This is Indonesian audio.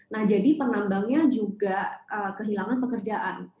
nah jadi penambangnya juga kehilangan pekerjaan